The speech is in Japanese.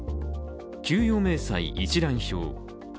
給与明細一覧表。